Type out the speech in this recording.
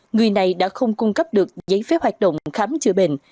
người này đã không cung cấp được giấy phép hoạt động khám chữa bệnh